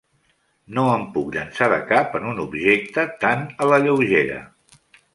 No em puc llançar de cap en un objecte tant a la lleugera.